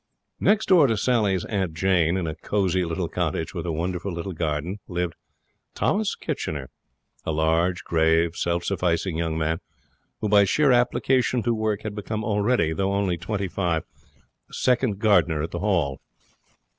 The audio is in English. Next door to Sally's Aunt Jane, in a cosy little cottage with a wonderful little garden, lived Thomas Kitchener, a large, grave, self sufficing young man, who, by sheer application to work, had become already, though only twenty five, second gardener at the Hall.